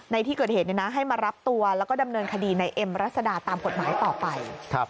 ในที่เกิดเหตุให้มารับตัวแล้วก็ดำเนินคดีในเอ็มรัศดาตามกฎหมายต่อไป